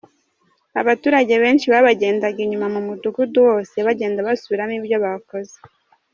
Abaturage benshi babagendaga inyuma mu mudugudu wose bagenda basubiramo ibyo bakoze.